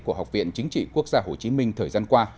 của học viện chính trị quốc gia hồ chí minh thời gian qua